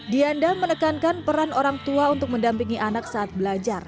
dianda menekankan peran orang tua untuk mendampingi anak saat belajar